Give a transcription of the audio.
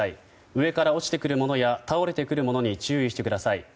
上から落ちてくるものや倒れてくるものに注意してください。